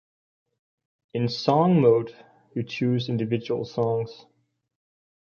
In "song" mode, you chose individual songs.